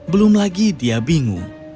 belum lagi dia bingung